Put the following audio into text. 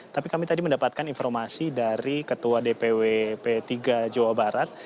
tapi kami tadi mendapatkan informasi dari ketua dpw p tiga jawa barat